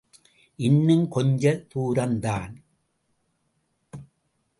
இன்னுங் கொஞ்ச தூரம்தான்.